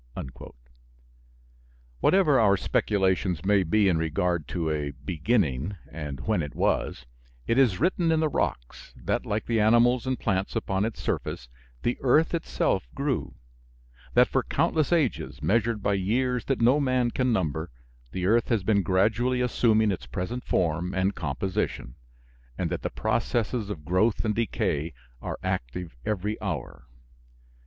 Whatever our speculations may be in regard to a "beginning," and when it was, it is written in the rocks, that, like the animals and plants upon its surface, the earth itself grew; that for countless ages, measured by years that no man can number, the earth has been gradually assuming its present form and composition, and that the processes of growth and decay are active every hour.